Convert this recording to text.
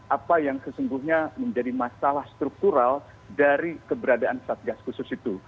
apa yang sesungguhnya menjadi masalah struktural dari keberadaan satgas khusus itu